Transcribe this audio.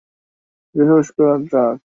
বেহুশ করার ড্রাগ।